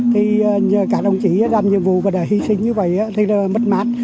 thì cả đồng chí làm nhiệm vụ và đã hy sinh như vậy thì rất là mất mát